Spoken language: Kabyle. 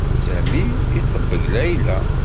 Sami iṭebbeg Layla.